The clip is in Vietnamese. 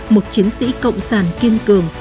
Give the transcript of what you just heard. một chiến sĩ cộng sản kiên cường